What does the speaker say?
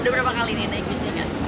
sudah berapa kali naik bus tingkat